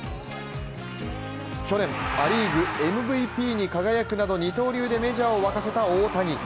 去年、ア・リーグＭＶＰに輝くなど二刀流でメジャーを沸かせた大谷。